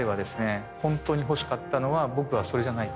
本当に欲しかったのは僕はそれじゃないと。